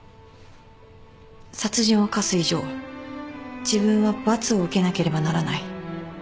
殺人を犯す以上自分は罰を受けなければならない。